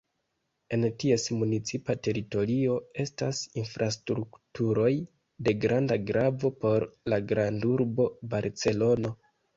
En ties municipa teritorio estas infrastrukturoj de granda gravo por la grandurbo Barcelono.